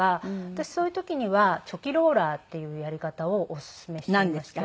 私そういう時にはチョキローラーっていうやり方をお薦めしていまして。